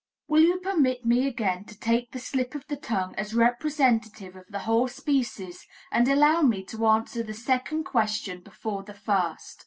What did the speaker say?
Will you permit me again to take the slip of the tongue as representative of the whole species and allow me to answer the second question before the first?